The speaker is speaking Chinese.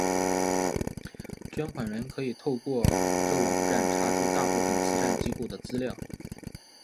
捐款人可以透过这网站查出大部份慈善机构的资料。